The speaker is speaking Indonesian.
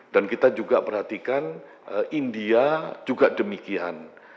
dan kita juga perhatikan india juga demikian